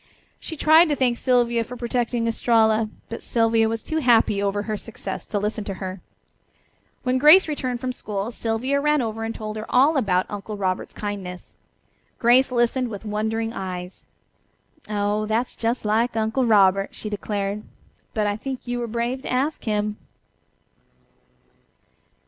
She tried to thank Sylvia for protecting Estralla, but Sylvia was too happy over her success to listen to her. When Grace returned from school Sylvia ran over and told her all about her Uncle Robert's kindness. Grace listened with wondering eyes. "Oh, that's just like Uncle Robert," she declared. "But I think you were brave to ask him."